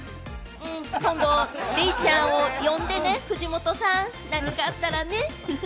今度はデイちゃんを呼んでね藤本さん、何かあったらね、行く。